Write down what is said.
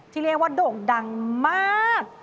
ที่เรียกว่าโด่งดังมาก